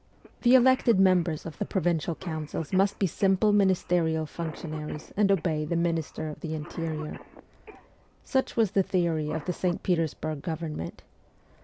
' The elected members of the 102 MEMOIRS OF A REVOLUTIONIST provincial councils must be simple ministerial func tionaries, and obey the Minister of the Interior :' such was the theory of the St. Petersburg government.